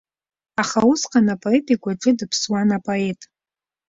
Аха усҟан апоет игәаҿы дыԥсуан апоет.